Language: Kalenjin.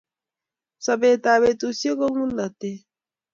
sobeetab betusiek kongulote